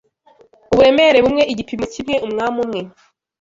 uburemere bumwe igipimo kimwe Umwami umwe